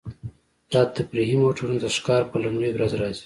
دا تفریحي موټرونه د ښکار په لومړۍ ورځ راځي